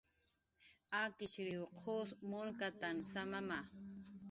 Akishrw qus munkatanh samama